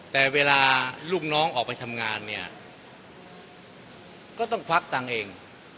แต่เวลาลูกน้องออกไปทำงานเนี่ยก็ต้องควักตังค์เอง